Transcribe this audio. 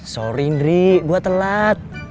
sorry indri gua telat